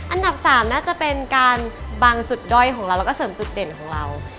อันดับ๓น่าจะเป็นการบางจุดด้อยของเราแล้วก็เสริมจุดเด่นของเรา